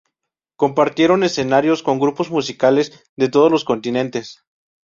Compartieron escenarios con grupos musicales de todos los continentes.